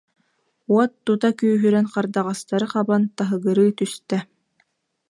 Уот тута күүһүрэн хардаҕастары хабан, таһы- гырыы түстэ